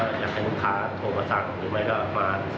ก็อยากให้ลูกค้าโทรมาสั่งหรือไม่ก็มาสั่งที่ร้านเอง